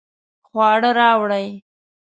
خواړه راوړئ